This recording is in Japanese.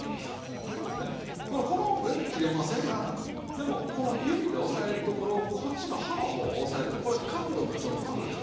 でもこの指で押さえるところをこっちの刃の方を押さえるとこれ角度がちょっとつくでしょ。